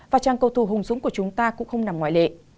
và trang cầu thù hung dũng của chúng ta cũng không nằm ngoại lệ